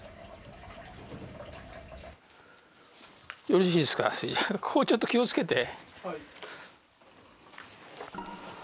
よろしいですかそれじゃここちょっと気をつけて。